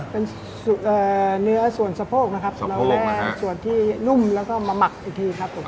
เป็นสูตรเอ่อเนื้อส่วนสะโพกนะครับสะโพกนะครับเราแลกส่วนที่นุ่มแล้วก็มาหมักอีกทีครับผม